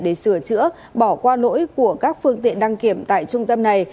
để sửa chữa bỏ qua lỗi của các phương tiện đăng kiểm tại trung tâm này